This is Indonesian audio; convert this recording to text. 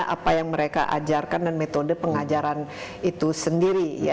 apa yang mereka ajarkan dan metode pengajaran itu sendiri